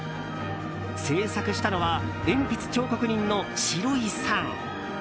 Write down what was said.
制作したのは鉛筆彫刻人のシロイさん。